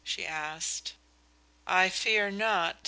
she asked. "I fear not.